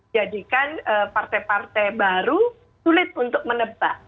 jadi kan partai partai baru sulit untuk menebak